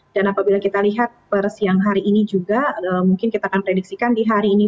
dan apabila kita lihat persiang hari ini juga mungkin kita akan prediksikan di hari ini